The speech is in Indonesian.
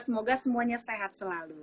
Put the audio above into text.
semoga semuanya sehat selalu